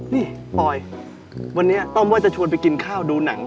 นี่ปอยวันนี้ต้อมว่าจะชวนไปกินข้าวดูหนัง